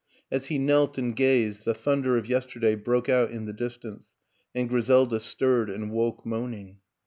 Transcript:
As he knelt and gazed the thunder of yesterday broke out in the distance, and Griselda stirred and woke moan ing.